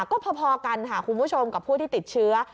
ก็พอกันค่ะคุณผู้ชมกับผู้ที่ติดเชื้อ